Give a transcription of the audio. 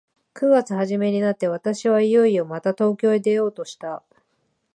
九月始めになって、私はいよいよまた東京へ出ようとした。